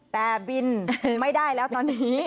แต่บินไม่ได้แล้วตอนนี้